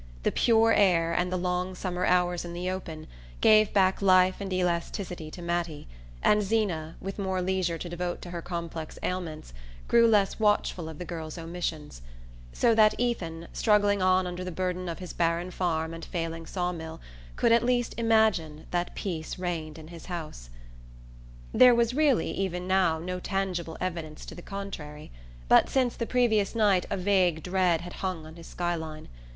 The pure air, and the long summer hours in the open, gave back life and elasticity to Mattie, and Zeena, with more leisure to devote to her complex ailments, grew less watchful of the girl's omissions; so that Ethan, struggling on under the burden of his barren farm and failing saw mill, could at least imagine that peace reigned in his house. There was really, even now, no tangible evidence to the contrary; but since the previous night a vague dread had hung on his sky line.